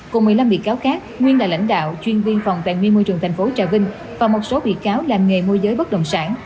cùng một mươi năm bị cáo khác nguyên là lãnh đạo chuyên viên phòng tài nguyên môi trường tp trà vinh và một số bị cáo làm nghề môi giới bất động sản